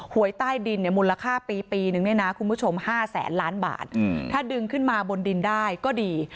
หวยใต้ดินเนี่ยมูลค่าปีปีนึงเนี่ยนะคุณผู้ชม๕แสนล้านบาทถ้าดึงขึ้นมาบนดินได้ก็ดี